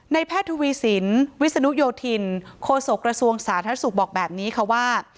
แพทย์ทวีสินวิศนุโยธินโคศกระทรวงสาธารณสุขบอกแบบนี้ค่ะว่า